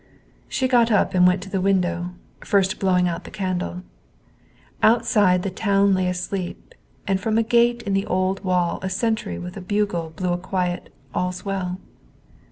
She got up and went to the window, first blowing out the candle. Outside, the town lay asleep, and from a gate in the old wall a sentry with a bugle blew a quiet "All's well."